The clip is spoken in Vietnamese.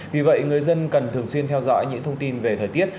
vì vậy người dân cần thường xuyên theo dõi những thông tin về thời tiết